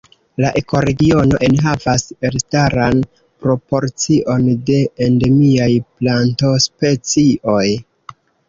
La ekoregiono enhavas elstaran proporcion de endemiaj plantospecioj.